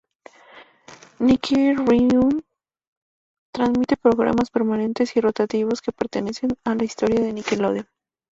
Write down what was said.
Nick Rewind transmite programas permanentes y rotativos que pertenecen a la historia de Nickelodeon.